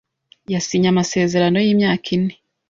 yasinye amasezerano y’imyaka ine